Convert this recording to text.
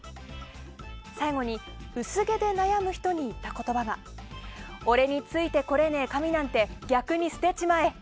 最後に薄毛で悩む人に言った言葉が俺についてこれねぇ髪なんて逆に捨てちまえ。